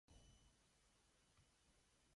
He is thus nicknamed "Faceless".